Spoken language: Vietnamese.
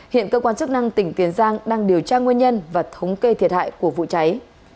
hiện cơ quan chức năng tỉnh tiền giang đang điều tra nguyên nhân và thống kê thiệt hại của vụ cháy